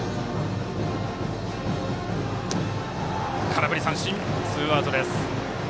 空振り三振、ツーアウト。